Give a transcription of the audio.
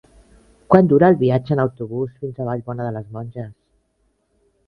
Quant dura el viatge en autobús fins a Vallbona de les Monges?